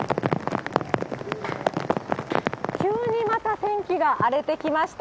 急にまた天気が荒れてきました。